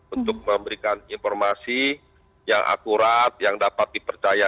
untuk memberikan informasi yang akurat yang dapat dipercaya